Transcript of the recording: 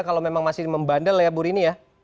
kalau memang masih membandel ya bu rini ya